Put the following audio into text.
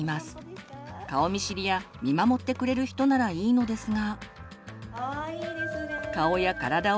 顔見知りや見守ってくれる人ならいいのですが。